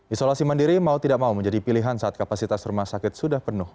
isolasi mandiri mau tidak mau menjadi pilihan saat kapasitas rumah sakit sudah penuh